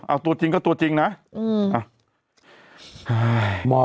อ้าวตัวจริงก็ตัวจริงนะอืมอ้าว